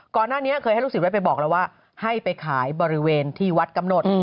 ก่อนหน้านี้เคยให้ลูกศิษย์วัดไปบอกแล้วว่าให้ไปขายบริเวณที่วัดกำหนด